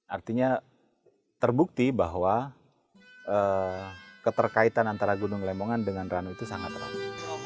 artinya terbukti bahwa keterkaitan antara gunung lemongan dengan ranu itu sangat rame